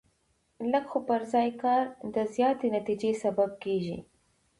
لږ خو پر ځای کار د زیاتې نتیجې سبب کېږي.